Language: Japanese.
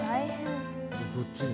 でこっちに。